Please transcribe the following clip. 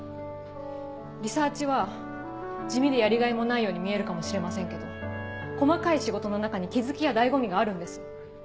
リサーチは地味でやりがいもないように見えるかもしれませんけど細かい仕事の中に気付きや醍醐味があるんです。